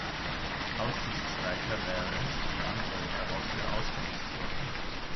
Aussichtsreicher wäre es, die andere Karosse ausfindig zu machen.